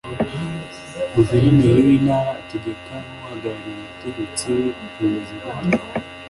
Guverineri w'intara utegeka nk'uhagarariye umutegetsi we bimeze gute